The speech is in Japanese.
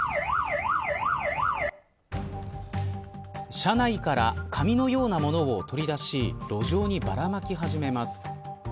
車内から紙のようなものを取り出し路上に、ばらまき始めます。